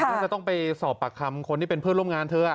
ก็จะต้องไปสอบปากคำคนที่เป็นเพื่อนร่วมงานเธอ